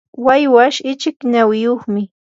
waywash ichik nawiyuqmi.